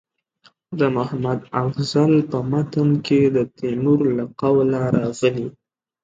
د محمد افضل په متن کې د تیمور له قوله راغلي.